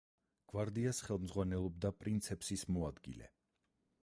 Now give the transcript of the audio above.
გვარდიას ხელმძღვანელობდა პრინცეფსის მოადგილე.